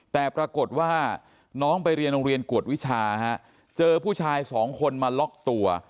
แต่ปรากฏว่าน้องไปเรียนโรงเรียนกวดวิชาฮะเจอผู้ชายสองคนมาล็อกตัว